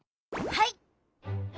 はい！